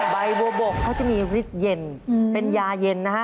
ใบบัวบกเขาจะมีฤทธิ์เย็นเป็นยาเย็นนะฮะ